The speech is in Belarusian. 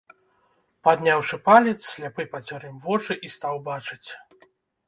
Падняўшы палец, сляпы пацёр ім вочы і стаў бачыць.